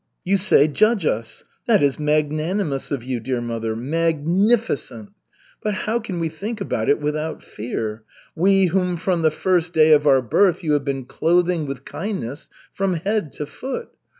You say: 'Judge us.' That is magnanimous of you, dear mother, _mag_nificent! But how can we think about it without fear, we whom from the first day of our birth you have been clothing with kindness from head to foot?